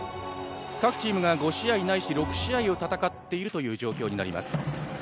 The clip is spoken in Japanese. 各チームが５試合ないし６試合を戦っている状況になります